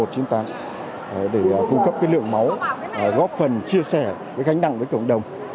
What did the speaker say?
để cung cấp cái lượng máu góp phần chia sẻ cái khánh nặng với cộng đồng